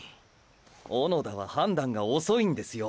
小野田は判断が遅いんですよ。